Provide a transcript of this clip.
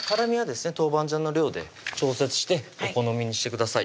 豆板醤の量で調節してお好みにしてください